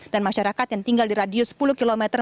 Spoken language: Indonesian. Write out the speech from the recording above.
dan masyarakat yang tinggal di radius sepuluh kilometer